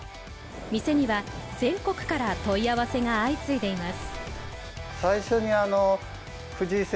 店には全国から問い合わせが相次いでいます。